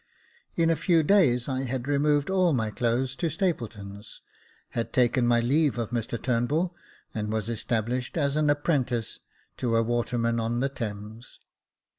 In a few days I had removed all my clothes to Stapleton's, had taken my leave of Mr Turnbull, and was established as an apprentice to a waterman on the Thames.